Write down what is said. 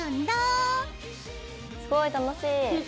すごい楽しい。